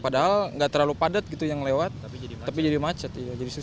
padahal gak terlalu padat gitu yang lewat tapi jadi macet jadi susah